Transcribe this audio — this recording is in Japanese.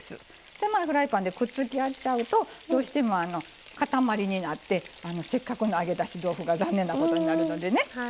狭いフライパンでくっつき合っちゃうとどうしてもかたまりになってせっかくの揚げだし豆腐が残念なことになるのでね。